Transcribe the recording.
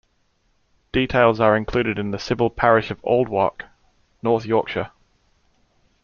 Details are included in the civil parish of Aldwark, North Yorkshire.